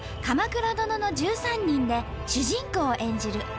「鎌倉殿の１３人」で主人公を演じる